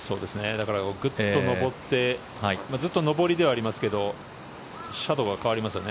だからグッと上ってずっと上りではありますけど斜度が変わりますよね。